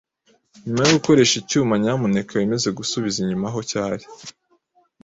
Nyuma yo gukoresha icyuma, nyamuneka wemeze gusubiza inyuma aho cyari.